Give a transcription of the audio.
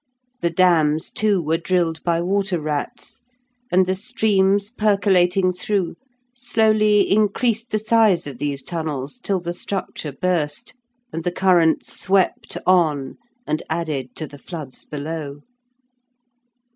The dams, too, were drilled by water rats, and the streams percolating through, slowly increased the size of these tunnels till the structure burst, and the current swept on and added to the floods below.